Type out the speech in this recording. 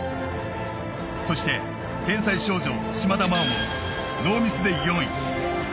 そして天才少女・島田麻央もノーミスで４位。